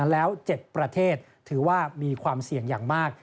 แล้ว๗ประเทศถือว่ามีความเสี่ยงอย่างมาก